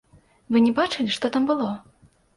Вы не бачылі, што там было?